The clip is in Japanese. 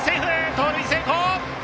盗塁成功！